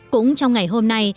cũng trong ngày hôm nay